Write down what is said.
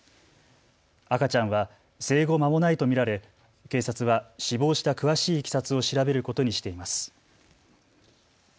赤ちゃんは生後まもないと見られ警察は死亡した詳しいいきさつを調べることにしています。